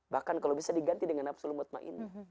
bahkan kalau bisa diganti dengan nafsul umat ma'in